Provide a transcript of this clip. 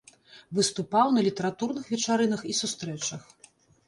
Выступаў на літаратурных вечарынах і сустрэчах.